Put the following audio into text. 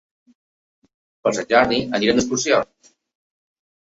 Per Sant Jordi anirem d'excursió.